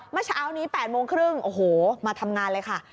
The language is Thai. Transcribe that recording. เมื่อเช้านี้๘โมงครึ่งโอ้โหมาทำงานเลยค่ะ